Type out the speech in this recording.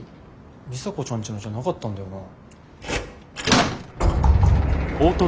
里紗子ちゃんちのじゃなかったんだよな。